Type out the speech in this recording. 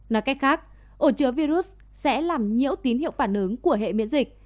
nói cách khác ổ chứa virus sẽ làm nhiễu tín hiệu phản ứng của hệ miễn dịch